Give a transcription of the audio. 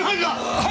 はい！